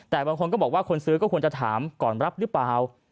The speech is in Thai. แต่บางคนก็บอกว่าคนซื้อก็ควรจะถามก่อนรับหรือเปล่า